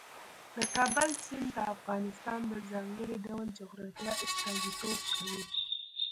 د کابل سیند د افغانستان د ځانګړي ډول جغرافیه استازیتوب کوي.